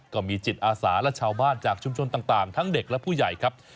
ก็มีจิตอาสาและชาวบ้านจากชุมชนต่างทั้งเด็กและผู้ใหญ่ครับ